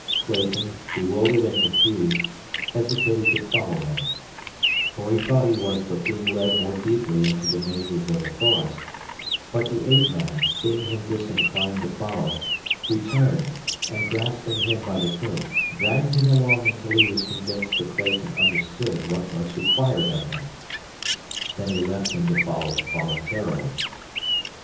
Clayton, bewildered and confused, hesitated to follow him, for he thought he was but being led more deeply into the mazes of the forest; but the ape man, seeing him disinclined to follow, returned, and, grasping him by the coat, dragged him along until he was convinced that Clayton understood what was required of him. Then he left him to follow voluntarily.